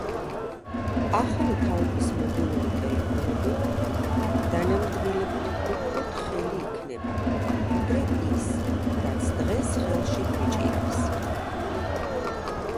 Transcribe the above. ახალი თაობის მობილური ტელეფონები დანამდვილებით უფრო თხელი იქნება, ვიდრე ის, რაც დღეს ხელში გვიჭირავს.